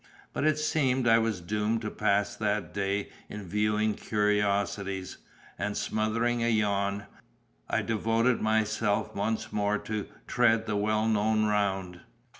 But it seemed I was doomed to pass that day in viewing curiosities, and smothering a yawn, I devoted myself once more to tread the well known round.